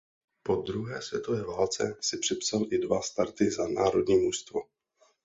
Po druhé světové válce si připsal i dva starty za národní mužstvo.